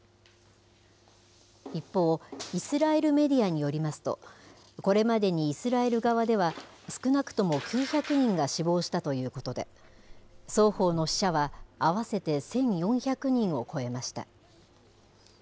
一方、イスラエルメディアによりますと、これまでにイスラエル側では少なくとも９００人が死亡したということで、双方の死者は合わせて１４００人を超えました。